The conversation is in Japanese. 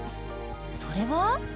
それは。